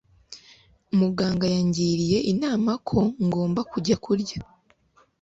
Muganga yangiriye inama ko ngomba kujya kurya